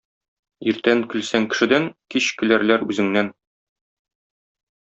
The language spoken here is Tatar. Иртән көлсәң кешедән, кич көләрләр үзеңнән.